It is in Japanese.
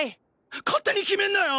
勝手に決めんなよ！